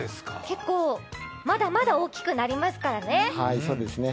まだまだ大きくなりますからね。